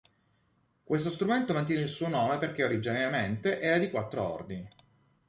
Questo strumento mantiene il suo nome perché, originariamente, era di quattro ordini.